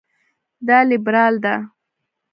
دا لېبرال ده.